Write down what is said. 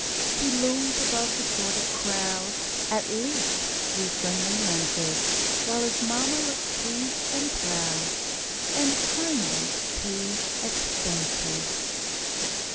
He looms above the sordid crowd, At least through friendly lenses; While his mama looks pleased and proud, And kindly pays expenses.